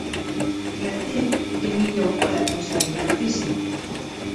Qui en té, ho té millor per aconseguir benefici.